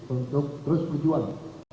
untuk terus berjuang